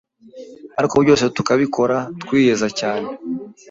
ariko byose tukabikora twiyeza cyane,